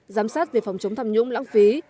giám sát về phòng chống tham nhũng lãng phí